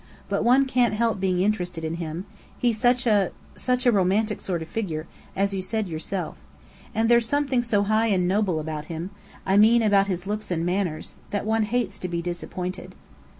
But one can't help being interested in him, he's such a such a romantic sort of figure, as you said yourself. And there's something so high and noble about him I mean, about his looks and manners that one hates to be disappointed."